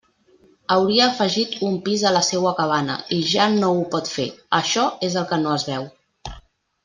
Hauria afegit un pis a la seua cabana i ja no ho pot fer, això és el que no es veu.